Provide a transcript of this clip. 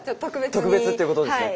特別っていうことですね。